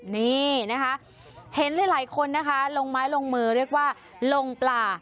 นี่นะคะเห็นหลายคนนะคะลงไม้ลงมือเรียกว่าลงปลา